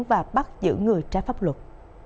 và bắt giữ người trai pháp luật